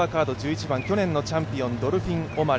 去年のチャンピオンドルフィン・オマレ。